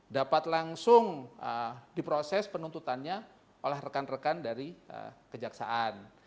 dapat langsung diproses penuntutannya oleh rekan rekan dari kejaksaan